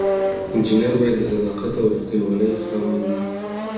انجینر باید د صداقت او ریښتینولی خاوند وي.